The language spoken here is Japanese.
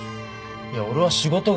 いや俺は仕事が。